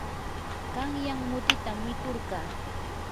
qanyan mutitam mikurqaa.